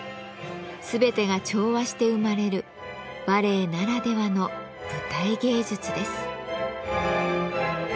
全てが調和して生まれるバレエならではの舞台芸術です。